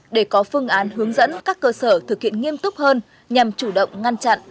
để có phương án hướng dẫn các cơ sở thực hiện nghiêm túc hơn nhằm chủ động ngăn chặn